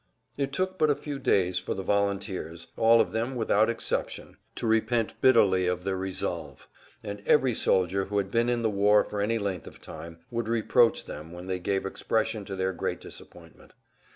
It took but a few days for the volunteers—all of them without an exception—to repent bitterly of their resolve, and every soldier who had been in the war for any length of time would reproach them when they gave expression to their great disappointment.